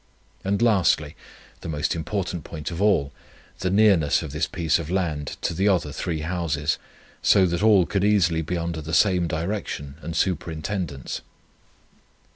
And lastly, the most important point of all, the nearness of this piece of land to the other three houses, so that all could easily be under the same direction and superintendence.